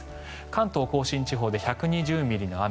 関東・甲信地方で１２０ミリの雨